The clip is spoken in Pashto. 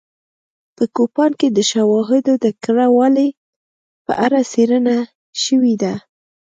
په کوپان کې د شواهدو د کره والي په اړه څېړنه شوې ده